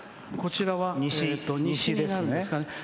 こちらは西ですね。